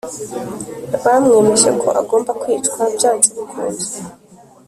bamwemeje ko agomba kwicwa byanze bikunze